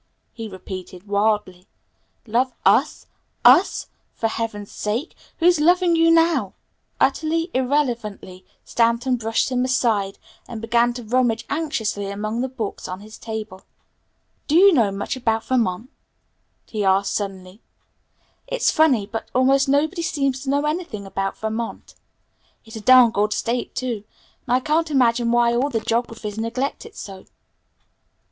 he repeated wildly. "Love us? us? For heaven's sake, who's loving you now?" Utterly irrelevantly, Stanton brushed him aside, and began to rummage anxiously among the books on his table. "Do you know much about Vermont?" he asked suddenly. "It's funny, but almost nobody seems to know anything about Vermont. It's a darned good state, too, and I can't imagine why all the geographies neglect it so."